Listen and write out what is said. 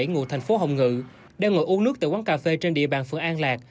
ngụ thành phố hồng ngự đang ngồi uống nước tại quán cà phê trên địa bàn phường an lạc